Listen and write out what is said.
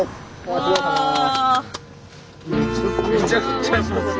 めちゃくちゃうまそう。